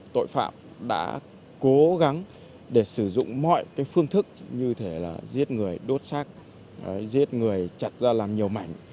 tội phạm đã cố gắng để sử dụng mọi phương thức như thể là giết người đốt xác giết người chặt ra làm nhiều mảnh